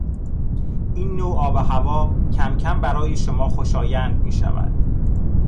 این نوع آب و هوا کمکم برای شما خوشایند میشود.